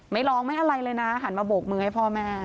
ไม่ร้องไม่อะไรเลยนะหันมาโบกมือให้พ่อแม่